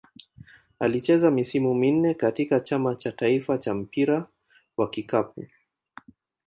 Alicheza misimu minne katika Chama cha taifa cha mpira wa kikapu.